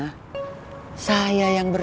ketawa sama dia